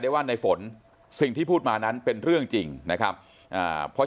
ว่าในฝนสิ่งที่พูดมานั้นเป็นเรื่องจริงนะครับเพราะ